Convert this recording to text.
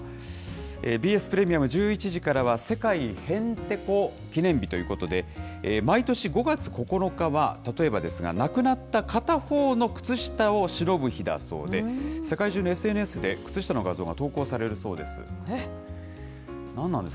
ＢＳプレミアム、１１時からは世界ヘンテコ記念日ということで、毎年５月９日は例えばですが、なくなった片方の靴下をしのぶ日だそうで、世界中のＳＮＳで靴下の画像が投稿されるそうです。